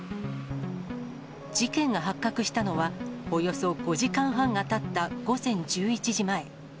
事件が発覚したのは、およそ５時間半がたった午前１１時前。